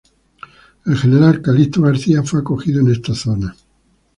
El general Calixto García fue acogido en esta zona.